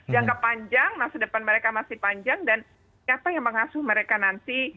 jangka panjang masa depan mereka masih panjang dan siapa yang mengasuh mereka nanti